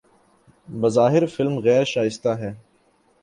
بظاہر فلم غیر شائستہ ہے